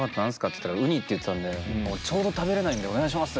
つったら「ウニ」って言ってたんで「ちょうど食べれないんでお願いします！」